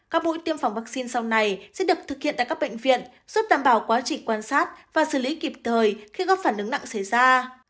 các mũi tiêm phòng vaccine sau này sẽ được thực hiện tại các bệnh viện giúp đảm bảo quá trình quan sát và xử lý kịp thời khi có phản ứng nặng xảy ra